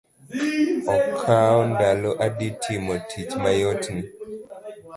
Ikao ndalo adi timo tich mayot ni?